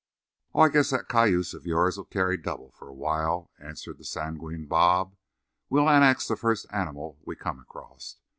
"Oh, I guess that cayuse of yourn'll carry double for a while," answered the sanguine Bob. "We'll annex the first animal we come across.